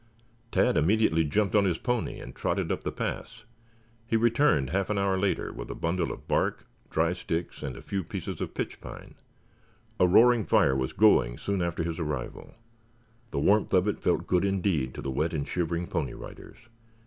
Tad immediately jumped on his pony and trotted up the pass. He returned half an hour later, with a bundle of bark, dry sticks and a few pieces of pitchpine. A roaring fire was going soon after his arrival. The warmth from it felt good, indeed, to the wet and shivering Pony Riders.